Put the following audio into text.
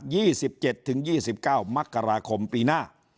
ยี่สิบเจ็ดถึงยี่สิบเก้า